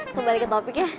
kembali ke topik ya